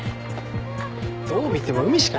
どう見ても海しかないだろ。